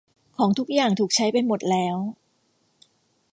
ของทุกอย่างถูกใช้ไปหมดแล้ว